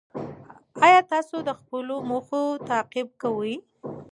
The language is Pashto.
ایا تاسو د خپلو موخو تعقیب کوئ؟